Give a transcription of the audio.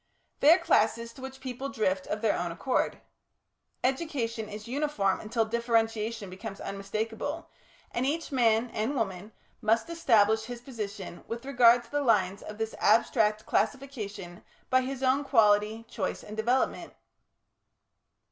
They are classes to which people drift of their own accord. Education is uniform until differentiation becomes unmistakable, and each man (and woman) must establish his position with regard to the lines of this abstract classification by his own quality, choice, and development....